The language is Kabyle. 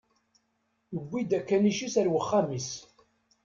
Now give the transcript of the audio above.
Yewwi-d akanic-is ar wexxam-is.